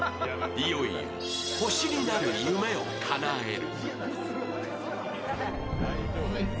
いよいよ星になる夢をかなえる。